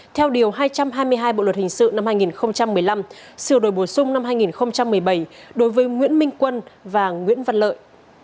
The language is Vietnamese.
theo điều hai trăm hai mươi hai bộ luật hình sự năm hai nghìn một mươi năm sửa đổi bổ sung năm hai nghìn một mươi bảy đối với nguyễn minh quân và nguyễn văn lợi